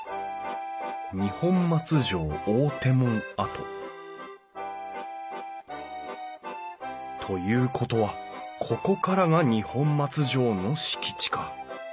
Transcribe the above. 「二本松城大手門跡」ということはここからが二本松城の敷地か。